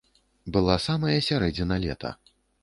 Была самая сярэдзіна лета.